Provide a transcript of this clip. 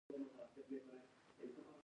ایا زما تګ به ښه شي؟